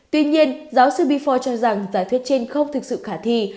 tuy nhiên giáo sư bifor cho rằng giả thuyết trên không thực sự khả thi